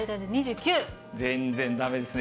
全然だめですね。